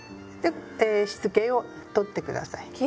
でしつけを取ってください。